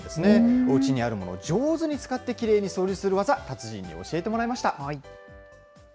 おうちにあるものを上手に使ってきれいに掃除する技、達人に教えてもらいました。